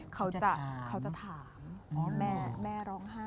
เขาจะถามแม่ร้องไห้